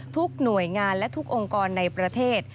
ทุกหน่วยงานและทุกองค์กรในประเทศ